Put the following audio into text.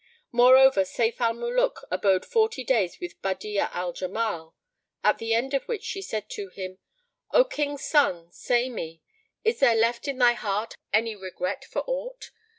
Moreover Sayf al Muluk abode forty days with Badi'a al Jamal, at the end of which she said to him, "O King's son, say me, is there left in thy heart any regret for aught?"